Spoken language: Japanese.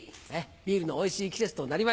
ビールのおいしい季節となりました。